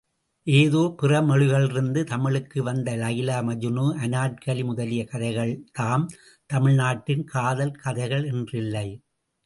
ஏதோ பிறமொழிகளிலிருந்து தமிழுக்கு வந்த லைலா மஜ்னூ, அனார்க்கலி முதலிய கதைகள்தாம் தமிழ்நாட்டின் காதல் கதைகள் என்றில்லை.